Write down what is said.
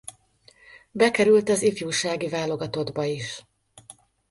Bekerült az ifjúsági válogatottba is.